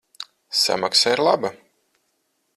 Samaksa ir laba.